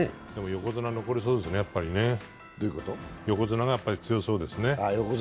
横綱が残りそうですね、横綱が強そうです。